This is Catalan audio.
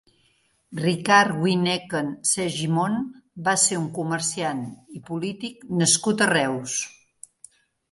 Ricard Wyneken Segimon va ser un comerciant i polític nascut a Reus.